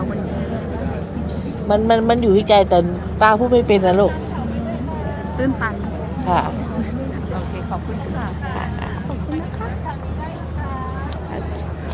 วันนี้มันมันมันอยู่ที่ใจแต่ป๊าพูดไม่เป็นน่ะลูกปื้มปันค่ะโอเค